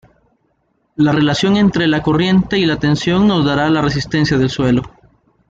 La relación entre la corriente y la tensión nos dará la resistencia del suelo.